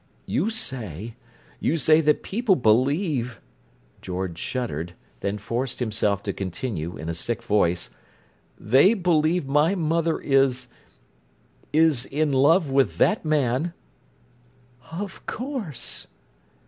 "You say—you say that people believe—" George shuddered, then forced himself to continue, in a sick voice: "They believe my mother is—is in love with that man?" "Of course!"